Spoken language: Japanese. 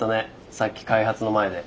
さっき開発の前で。